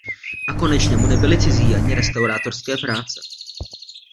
A konečně mu nebyly cizí ani restaurátorské práce.